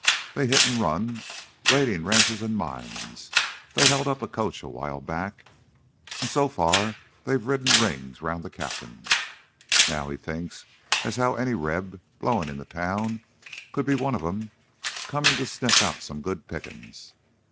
They hit an' run, raidin' ranches an' mines; they held up a coach a while back. An' so far they've ridden rings round th' cap'n. Now he thinks as how any Reb blowin' in town could be one of 'em, comin' to sniff out some good pickin's.